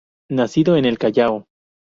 Nacido en el Callao.